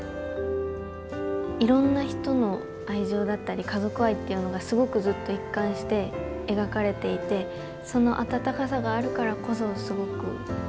いろんな人の愛情だったり家族愛っていうのがすごくずっと一貫して描かれていてその温かさがあるからこそすごく胸に届くような作品になっていると思うので。